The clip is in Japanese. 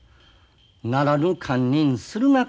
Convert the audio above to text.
ならぬ堪忍するが堪忍